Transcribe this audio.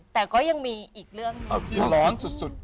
แต่ก็ยังมีอีกเรื่องนึง